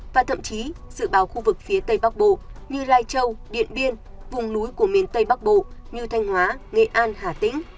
và thậm chí dự báo khu vực phía tây bắc bộ như lai châu điện biên vùng núi của miền tây bắc bộ như thanh hóa nghệ an hà tĩnh